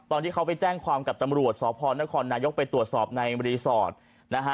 ตอนที่เขาไปแจ้งความกับตำรวจสพนครนายกไปตรวจสอบในรีสอร์ทนะฮะ